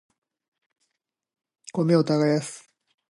米を耕す